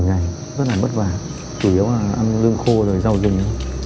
một mươi ngày rất là vất vả chủ yếu là ăn lương khô rồi rau rừng